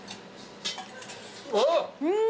あっ！